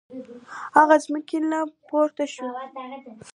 هغه له ځمکې نه پورته شو.